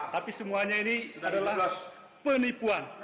tapi semuanya ini adalah penipuan